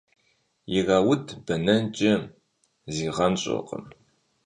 Ирауд бэнэнкӏэ зигъэнщӏыркъым.